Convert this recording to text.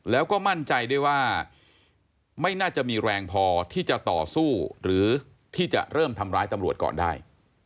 แล้วก็มั่นใจด้วยว่าไม่น่าจะมีแรงพอที่จะต่อสู้หรือที่จะเริ่มทำร้ายตำรวจก่อนได้